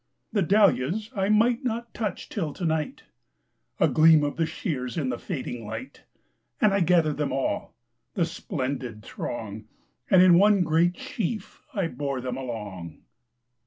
The dahlias I might not touch till to night!A gleam of the shears in the fading light, And I gathered them all,—the splendid throng, And in one great sheaf I bore them along..